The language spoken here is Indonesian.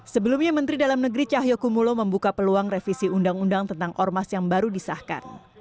sebelumnya menteri dalam negeri cahyokumulo membuka peluang revisi undang undang tentang ormas yang baru disahkan